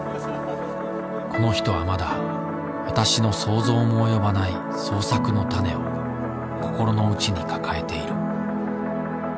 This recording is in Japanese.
この人はまだ私の想像も及ばない創作の種を心のうちに抱えている。